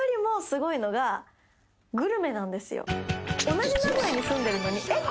同じ名古屋に住んでるのにえっ